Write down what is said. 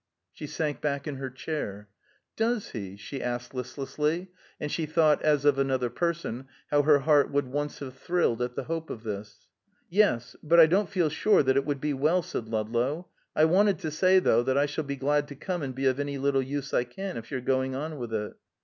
She sank back in her chair. "Does he?" she asked listlessly, and she thought, as of another person, how her heart would once have thrilled at the hope of this. "Yes. But I don't feel sure that it would be well," said Ludlow. "I wanted to say, though, that I shall be glad to come and be of any little use I can if you're going on with it."